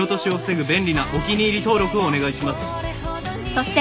［そして］